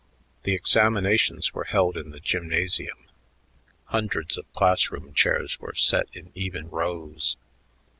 The examinations were held in the gymnasium. Hundreds of class room chairs were set in even rows.